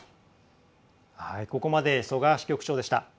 ここまで曽我支局長でした。